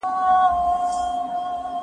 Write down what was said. زه مخکي د کتابتوننۍ سره مرسته کړې وه؟!